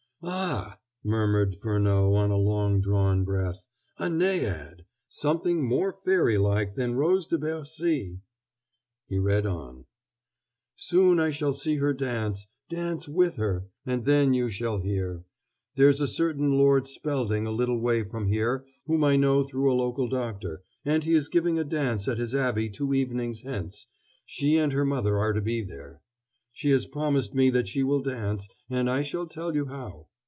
"Ah h h!..." murmured Furneaux on a long drawn breath, "'A Naiad'! Something more fairy like than Rose de Bercy!" He read on. Soon I shall see her dance dance with her! and then you shall hear. There's a certain Lord Spelding a little way from here whom I know through a local doctor, and he is giving a dance at his Abbey two evenings hence she and her mother are to be there. She has promised me that she will dance, and I shall tell you how.